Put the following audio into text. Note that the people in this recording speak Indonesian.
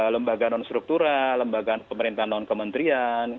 lembaga non struktural lembaga pemerintahan non kementerian